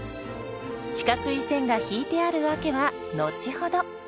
四角い線が引いてある訳は後ほど。